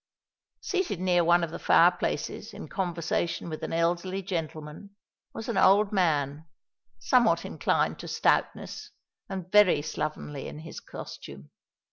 Seated near one of the fire places in conversation with an elderly gentleman, was an old man, somewhat inclined to stoutness, and very slovenly in his costume.